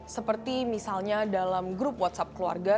seperti misalnya dalam grup whatsapp keluarga